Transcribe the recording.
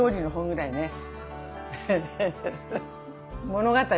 物語？